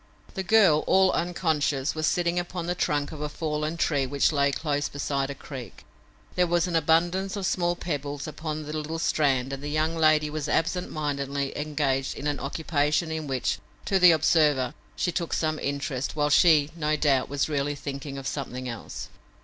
The girl, all unconscious, was sitting upon the trunk of a fallen tree which lay close beside a creek. There was an abundance of small pebbles upon the little strand and the young lady was absent mindedly engaged in an occupation in which, to the observer, she took some interest, while she, no doubt, was really thinking of something else.